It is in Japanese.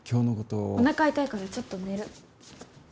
おなか痛いからちょっと寝る。